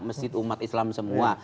masjid umat islam semua